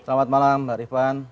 selamat malam mbak rifwan